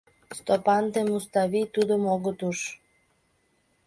Стопан ден Муставий тудым огыт уж.